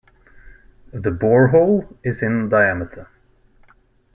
The borehole is in diameter.